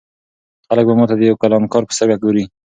خلک به ما ته د یو کلانکار په سترګه ګوري.